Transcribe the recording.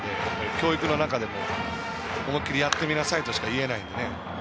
教育の中でも思い切りやってみなさいとしか言えないのでね。